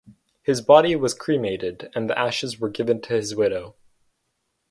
His body was cremated and the ashes were given to his widow.